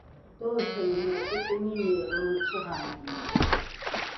toesengine kipingini lromecehaeni